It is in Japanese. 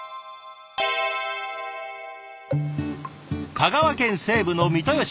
香川県西部の三豊市。